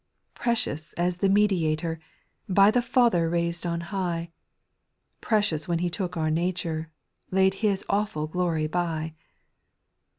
2. Precious as the Mediator, By the Father raised on high, Precious when He took our nature, Laid II is awful glory by.